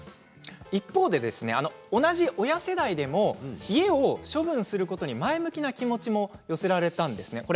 一方で同じ親世代でも家を処分することに前向きな気持ちも寄せられたんです。